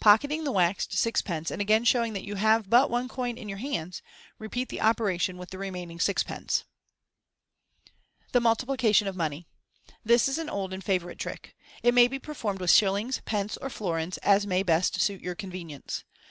Pocketing the waxed six* pence, and again showing that you have but one coin in your hands, repeat the operation with the remaining sixpence. 176 MODERN MAGIC The Multiplication op Money. — This is an old and favourite trick. It may be performed with shillings, pence, or florins, as may best suit your convenience.